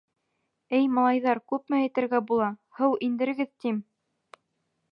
Эй, малайҙар, күпме әйтергә була, һыу индерегеҙ, тим!